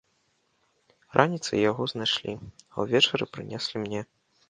Раніцай яго знайшлі, а ўвечары прынеслі мне.